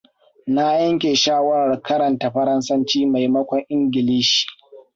Na yanke shawarar karantar faransanci maimakon ingilishi.